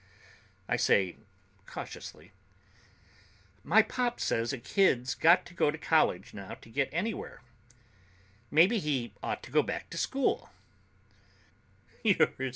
I say cautiously, "My pop says a kid's got to go to college now to get anywhere. Maybe he ought to go back to school."